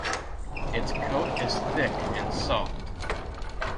Its coat is thick and soft.